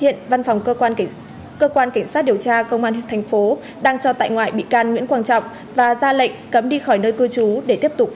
hiện văn phòng cơ quan cảnh sát điều tra công an tp đang cho tại ngoại bị can nguyễn quang trọng và ra lệnh cấm đi khỏi nơi cư trú để tiếp tục phục vụ công tác điều tra xử lý vụ việc